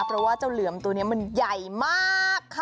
เพราะว่าเจ้าเหลือมตัวนี้มันใหญ่มากค่ะ